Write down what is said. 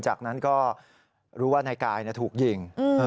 จากนั้นก็รู้ว่านายกายถูกยิง